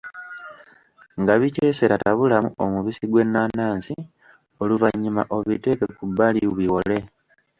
Nga bikyesera tabulamu omubisi gw'ennanansi oluvannyuma obiteeke ku bbali biwole.